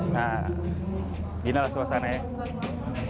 nah inilah suasana ya